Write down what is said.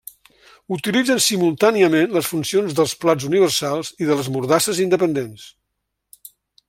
Utilitzen simultàniament les funcions dels plats universals i de les mordasses independents.